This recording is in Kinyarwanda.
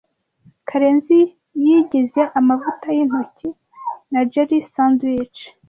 Karenzi yigize amavuta yintoki na jelly sandwich.